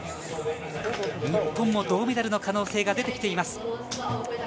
日本も銅メダルの可能性が出てきています。